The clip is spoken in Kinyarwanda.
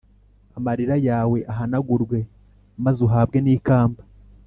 Amarira yawe ahanagurwe maz’ uzahabwe n ‘ikamba